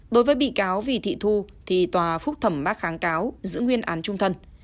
đối với bị cáo vì thị thu thì tòa phúc thẩm bác kháng cáo giữ nguyên án trung thân